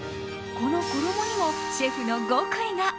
この衣にもシェフの極意が。